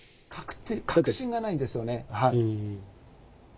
確信がないんですよね。